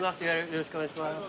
よろしくお願いします。